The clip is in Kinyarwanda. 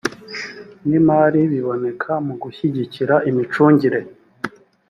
n imari biboneka mu gushyigikira imicungire